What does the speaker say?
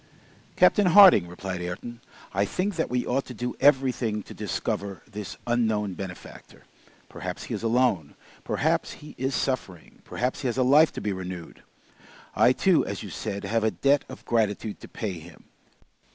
"Captain Harding," replied Ayrton, "I think that we ought to do everything to discover this unknown benefactor. Perhaps he is alone. Perhaps he is suffering. Perhaps he has a life to be renewed. I, too, as you said, have a debt of gratitude to pay him.